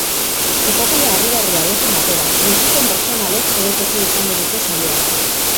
Epopeia harrigarri hauekin batera, bizipen pertsonalek ere tokia izango dute saioan.